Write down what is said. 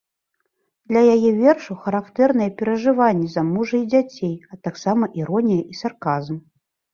Для яе вершаў характэрныя перажыванні за мужа і дзяцей, а таксама іронія і сарказм.